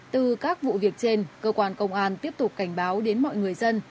từ các vụ việc trên cơ quan công an tiếp tục cảnh báo đến mọi người dân